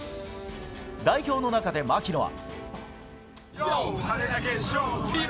代表の中で槙野は。